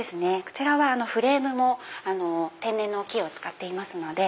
こちらはフレームも天然の木を使っていますので。